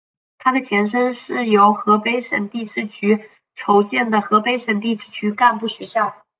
他的前身是由河北省地质局筹建的河北省地质局干部学校。